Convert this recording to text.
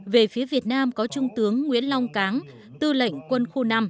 về phía việt nam có trung tướng nguyễn long cán tư lệnh quân khu năm